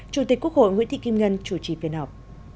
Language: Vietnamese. chủ tịch quốc hội nguyễn thị kim ngân chủ trì phiên họp